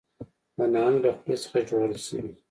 د نهنګ له خولې څخه ژغورل شوي